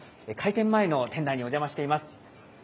開店前の店内にお邪魔しています。